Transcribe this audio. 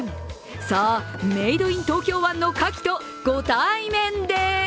さえ、メイド・イン・東京湾のかきとご対面です。